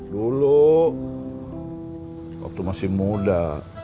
dulu waktu masih muda